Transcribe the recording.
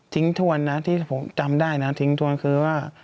ถวนนะที่ผมจำได้นะทิ้งทวนคือว่า